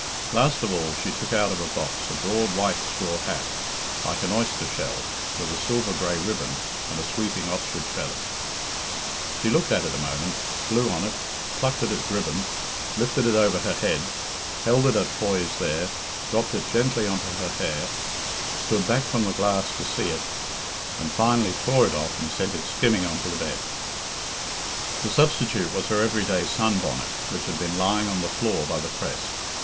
Last of all, she took out of a box a broad white straw hat, like an oyster shell, with a silver grey ribbon, and a sweeping ostrich feather.. She looked at it a moment, blew on it, plucked at its ribbon, lifted it over her head, held it at poise there, dropped it gently on to her hair, stood back from the glass to see it, and finally tore it off and sent it skimming on to the bed. The substitute was her everyday sun bonnet, which had been lying on the floor by the press.